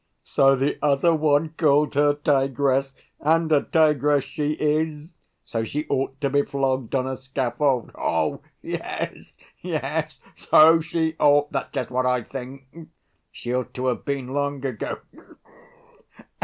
"So the other one called her tigress! And a tigress she is! So she ought to be flogged on a scaffold? Yes, yes, so she ought. That's just what I think; she ought to have been long ago.